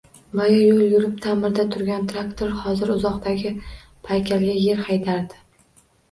Boya yoʻl boʻyida taʼmirda turgan traktor hozir uzoqdagi paykalda yer haydardi